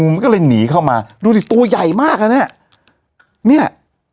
มันก็เลยหนีเข้ามาดูสิตัวใหญ่มากอ่ะเนี่ย